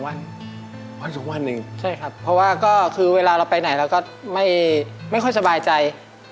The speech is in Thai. เวลาเราไปไหนเราก็ไม่สบายใจ